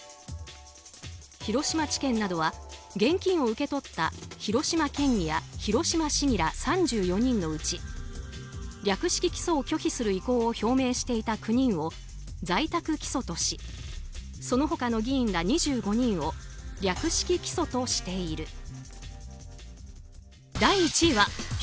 広島地検などは現金を受け取った広島県議や広島市議ら３４人のうち略式起訴を拒否する意向を表明していた９人を在宅起訴としそのほかの議員ら２５人を略式起訴としている。